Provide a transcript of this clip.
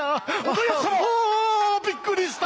びっくりした！